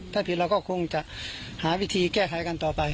ถ้าผิดเราก็คงจะหาวิธีแก้ไขกันต่อไป